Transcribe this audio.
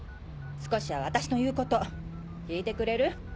少しは私の言うこと聞いてくれる？